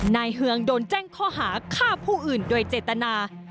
เฮืองโดนแจ้งข้อหาฆ่าผู้อื่นโดยเจตนา